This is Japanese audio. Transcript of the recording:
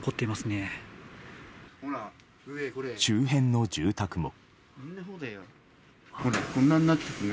周辺の住宅も。